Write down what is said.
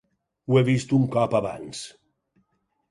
Ho he vist un cop abans.